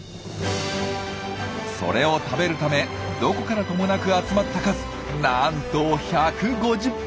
それを食べるためどこからともなく集まった数なんと１５０匹以上！